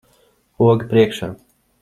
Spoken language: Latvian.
Poga priekšā.